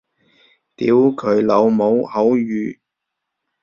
屌佢老母口語